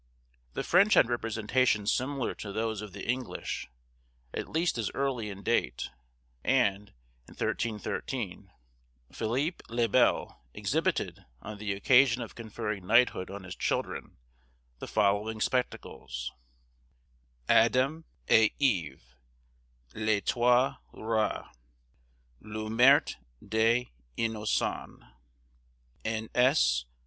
The French had representations similar to those of the English, at least as early in date; and, in 1313, Philippe le Bel exhibited, on the occasion of conferring knighthood on his children, the following spectacles:—'Adam et Eve;' 'Les Trois Rois;' 'Le Meurte des Innocens;' N. S.